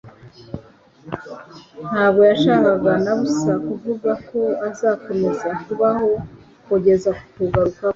Ntabwo yashakaga na busa kuvuga ko azakomeza kubaho kugeza ku kugaruka kwe.